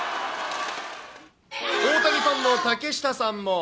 大谷ファンの竹下さんも。